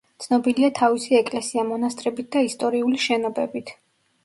ცნობილია თავისი ეკლესია-მონასტრებით და ისტორიული შენობებით.